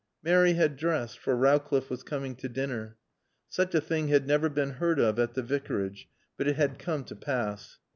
Mary had dressed, for Rowcliffe was coming to dinner. Such a thing had never been heard of at the Vicarage; but it had come to pass.